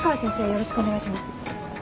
よろしくお願いします。